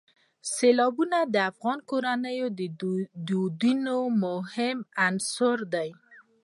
سیلابونه د افغان کورنیو د دودونو مهم عنصر دی.